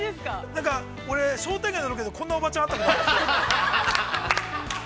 ◆なんか、俺、商店街のロケで、こんなおばちゃんに、会ったことがある。